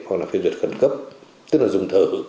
hoặc là phê duyệt khẩn cấp tức là dùng thở